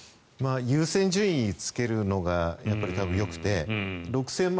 優先順位をつけるのがよくて６０００万